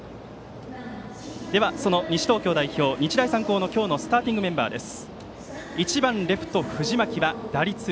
その西東京代表、日大三高の今日のスターティングメンバーです。